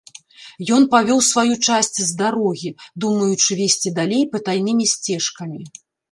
Ён павёў сваю часць з дарогі, думаючы весці далей патайнымі сцежкамі.